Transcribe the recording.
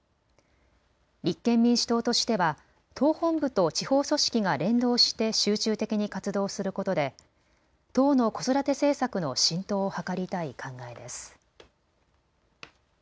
立憲民主党としては党本部と地方組織が連動して集中的に活動することで党の子育て政策の浸透を図りたい考えです。